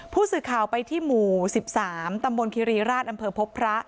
ผู้สื่อข่าวไปที่หมู่๑๓ตำบลคิรีราชอำเภอพบพระ